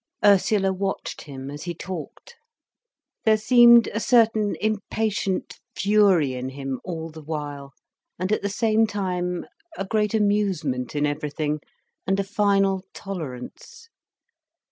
Ursula watched him as he talked. There seemed a certain impatient fury in him, all the while, and at the same time a great amusement in everything, and a final tolerance.